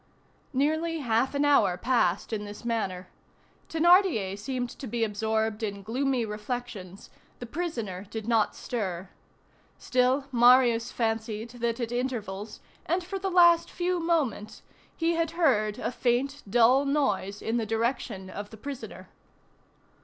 Nearly half an hour passed in this manner. Thénardier seemed to be absorbed in gloomy reflections, the prisoner did not stir. Still, Marius fancied that at intervals, and for the last few moments, he had heard a faint, dull noise in the direction of the prisoner.